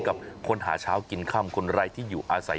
กับคนหาเช้ากินค่ำคนไร้ที่อยู่อาศัย